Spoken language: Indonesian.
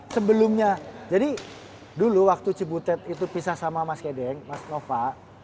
sebelumnya jadi dulu waktu cibutet itu pisah sama mas kedeng mas nova